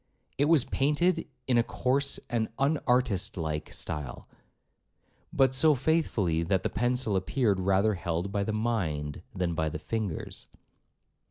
It was painted in a coarse and unartist like style, but so faithfully, that the pencil appeared rather held by the mind than by the fingers.